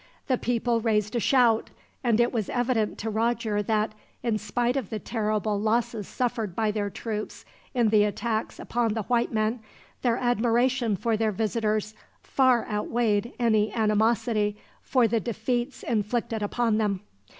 The people raised a shout, and it was evident to Roger that, in spite of the terrible losses suffered by their troops in the attacks upon the white men, their admiration for their visitors far outweighed any animosity for the defeats inflicted upon them.